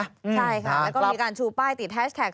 ใช่ค่ะแล้วก็มีการชูป้ายติดแฮชแท็ก